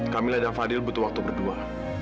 kamilah dan fadil butuh waktu berdua